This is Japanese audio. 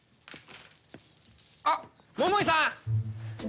あっ桃井さん！